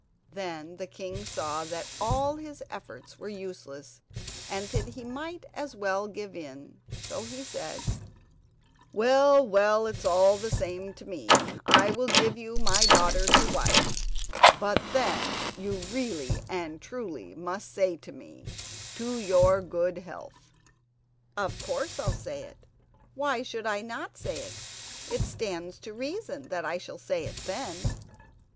Then the king saw that all his efforts were useless, and that he might as well give in, so he said: "Well, well, it's all the same to me—I will give you my daughter to wife; but, then, you really and truly must say to me: 'To your good health.'" "Of course I'll say it; why should I not say it? It stands to reason that I shall say it then."